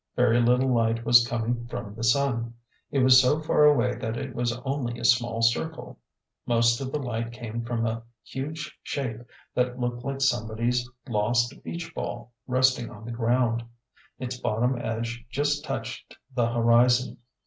Very little light was coming from the sun. It was so far away that it was only a small circle. Most of the light came from a huge shape that looked like somebody's lost beach ball resting on the ground. Its bottom edge just touched the horizon.